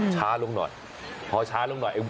ช้าลงหน่อย